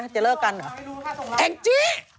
จะเลิกกันหรอ